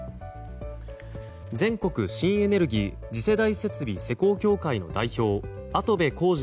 全国新エネルギー次世代設備施工協会の代表跡部浩二